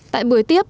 tại buổi tiếp